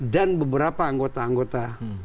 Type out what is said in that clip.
dan beberapa anggota anggota